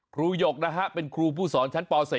หยกนะฮะเป็นครูผู้สอนชั้นป๔